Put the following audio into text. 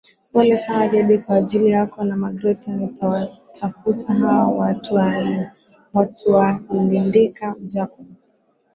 Pole sana Debby kwa ajili yako na Magreth nitawatafuta hawa watualiandika Jacob